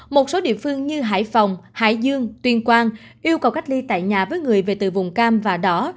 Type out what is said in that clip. một số địa phương như hải phòng hải dương tuyên quang yêu cầu cách ly tại nhà với người về từ vùng cam và đỏ